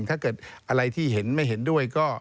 ถ้าเกิดอะไรที่เห็นไม่เห็นด้วยก็